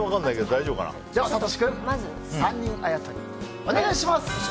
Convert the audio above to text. サトシ君３人あやとりお願いします。